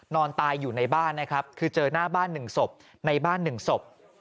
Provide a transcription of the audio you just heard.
นอนตายอยู่ในบ้านนะครับคือเจอหน้าบ้าน๑ศพในบ้าน๑ศพ